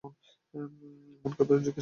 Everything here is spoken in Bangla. এমন কথাও জিজ্ঞাসা করতে হয় নাকি?